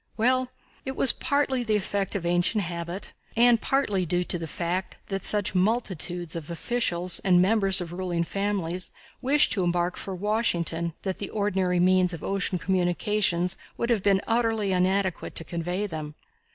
Well, it was partly the effect of ancient habit, and partly due to the fact that such multitudes of officials and members of ruling families wished to embark for Washington that the ordinary means of ocean communications would have been utterly inadequate to convey them.